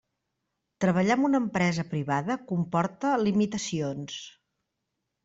Treballar amb una empresa privada comporta limitacions.